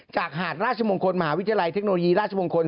หาดราชมงคลมหาวิทยาลัยเทคโนโลยีราชมงคล